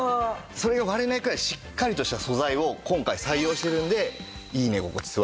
それが割れないくらいしっかりとした素材を今回採用しているのでいい寝心地座り心地なんですね。